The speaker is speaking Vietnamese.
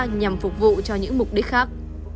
hay được sinh ra nhằm phục vụ cho những mục đích khác